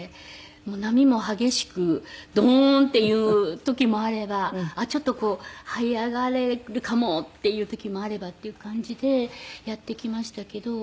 波も激しくドーンっていう時もあればちょっとはい上がれるかもっていう時もあればっていう感じでやってきましたけど。